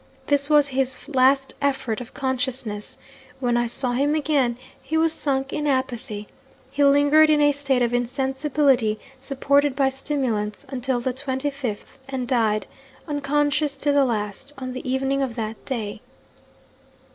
This was his last effort of consciousness. When I saw him again he was sunk in apathy. He lingered in a state of insensibility, supported by stimulants, until the 25th, and died (unconscious to the last) on the evening of that day.